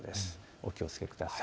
お気をつけください。